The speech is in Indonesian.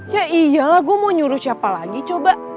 ya iyalah gue mau nyuruh siapa lagi coba